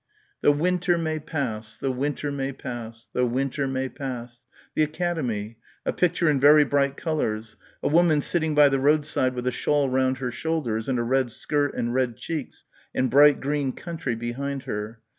The win ter may pass.... The win ter ... may pass. The winter may ... pass. The Academy ... a picture in very bright colours ... a woman sitting by the roadside with a shawl round her shoulders and a red skirt and red cheeks and bright green country behind her